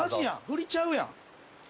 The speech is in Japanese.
振りちゃうやん。